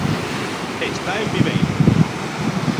Está en Viveiro.